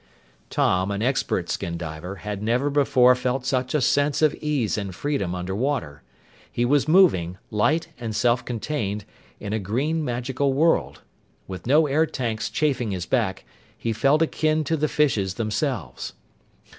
Tom, an expert skin diver, had never before felt such a sense of ease and freedom under water. He was moving, light and self contained, in a green, magical world. With no air tanks chafing his back, he felt akin to the fishes themselves.